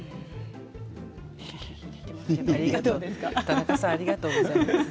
田中さんありがとうございます。